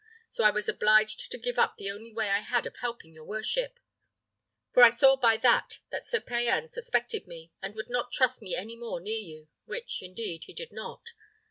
So I was obliged to give up the only way I had of helping your worship; for I saw by that that Sir Payan suspected me, and would not trust me any more near you, which indeed he did not.